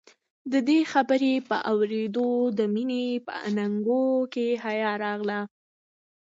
د دې خبرې په اورېدو د مينې په اننګو کې حيا راغله.